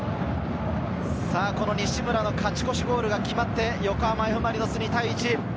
西村の勝ち越しゴールが決まって横浜Ｆ・マリノス、２対１。